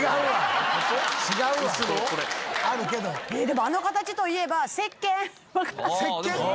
でもあの形といえば石けん？